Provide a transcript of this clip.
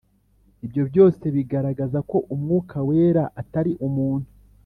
Ibyo byose bigaragaza ko umwuka wera atari umuntu